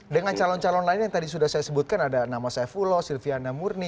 dengan calon calon lain yang tadi sudah saya sebutkan ada nama saifullah silviana murni